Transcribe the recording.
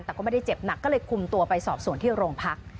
แต่ก็ไม่ได้เจ็บหนักก็เลยคุมตัวไปสอบส่วนที่โรงพัก